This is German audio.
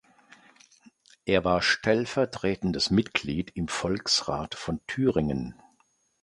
Er war stellvertretendes Mitglied im Volksrat von Thüringen.